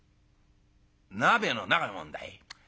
鍋の中のもんだい。